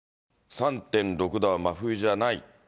３．６度は真冬じゃないって